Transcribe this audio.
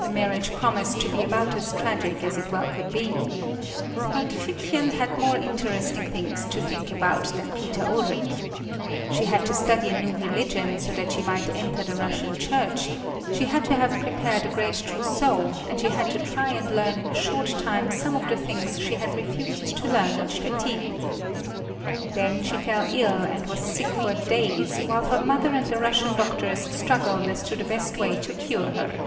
The marriage promised to be about as tragic as it well could be. But Figchen had more interesting things to think about than Peter Ulric. She had to study a new religion, so that she might enter the Russian Church, she had to have prepared a great trousseau, and she had to try and learn in a short time some of the things she had refused to learn at Stettin. Then she fell ill, and was sick for days, while her mother and the Russian doctors struggled as to the best way to cure her.